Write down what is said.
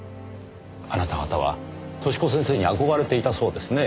あなた方は寿子先生に憧れていたそうですねぇ。